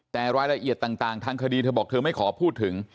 แต่รายละเอียดต่างทางคดีเธอบอกเธอไม่ขอพูดถึง